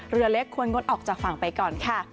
เรือเล็กควรงดออกจากฝั่งไปก่อนค่ะ